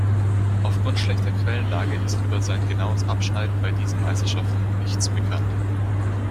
Aufgrund schlechter Quellenlage ist über sein genaues Abschneiden bei diesen Meisterschaften nichts bekannt.